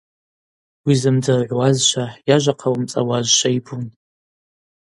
Уизымдзыргӏвуазшва, йажва хъауымцӏауазшва йбун.